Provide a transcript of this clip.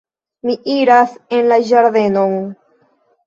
Mi iras en la ĝardenon.